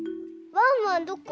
ワンワンどこ？